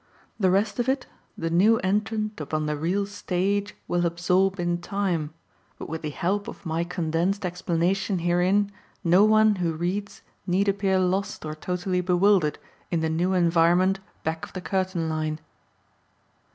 The rest of it the new entrant upon the real stage will absorb in time, but with the help of my condensed explanation herein no one who reads need appear lost or totally bewildered in the new environment back of the curtain line.